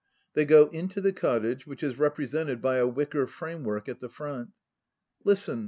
(They go into the cottage, which is represented by a wicker framework at the front.) Listen!